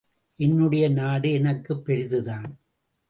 என்னுடைய நாடு எனக்குப் பெரிதுதான்.